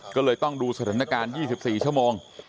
ก็เลยต้องดูสถานการณ์๒๔ชั่วโมง